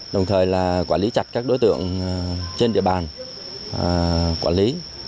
đồng thời là quản lý chặt các đối tượng trên địa bàn quản lý